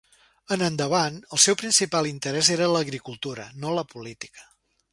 En endavant, el seu principal interès era l'agricultura, no la política.